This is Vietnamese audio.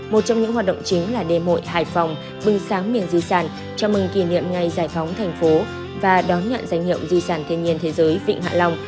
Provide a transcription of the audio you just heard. một trong những hoạt động chính là đêm hội hải phòng bưng sáng miền di sản chào mừng kỷ niệm ngày giải phóng thành phố và đón nhận danh hiệu di sản thiên nhiên thế giới vịnh hạ long